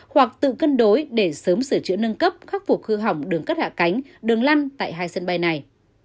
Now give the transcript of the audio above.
hoặc tự cân đối để sớm sửa chữa nâng cấp khắc phục hư hỏng đường cất hạ cánh đường lăn tại hai sân bay này